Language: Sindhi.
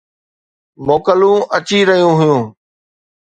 موڪلون اچي رهيون هيون.